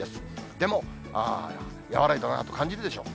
でも、和らいだなと感じるでしょう。